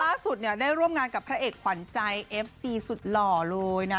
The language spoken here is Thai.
ล่าสุดเนี่ยได้ร่วมงานกับพระเอกขวัญใจเอฟซีสุดหล่อเลยนะ